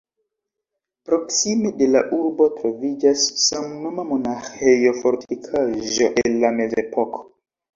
Proksime de la urbo troviĝas samnoma monaĥejo-fortikaĵo el la Mezepoko.